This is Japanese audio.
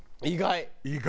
意外！